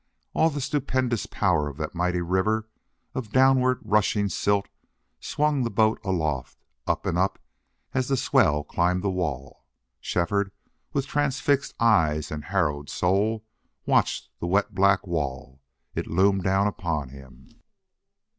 All the stupendous power of that mighty river of downward rushing silt swung the boat aloft, up and up, as the swell climbed the wall. Shefford, with transfixed eyes and harrowed soul, watched the wet black wall. It loomed down upon him.